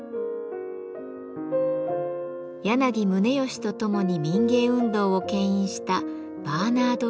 柳宗悦とともに民藝運動を牽引したバーナード・リーチ。